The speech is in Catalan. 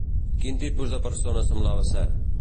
Quin tipus de persona semblava ser?